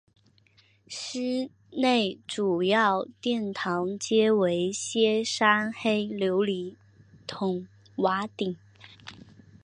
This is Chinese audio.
寺内主要殿堂皆为歇山黑琉璃筒瓦顶。